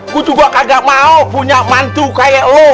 gue juga kagak mau punya mantu kaya lo